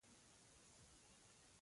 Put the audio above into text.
هلک د دعا لاس دی.